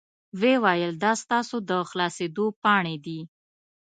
وې ویل دا ستاسو د خلاصیدو پاڼې دي.